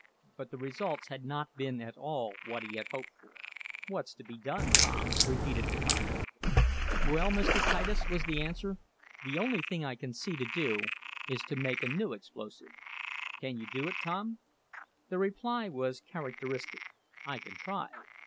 But the results had not been at all what he had hoped for. "What's to be done, Tom?" repeated the contractor. "Well, Mr. Titus," was the answer, "the only thing I see to do is to make a new explosive." "Can you do it, Tom?" The reply was characteristic. "I can try."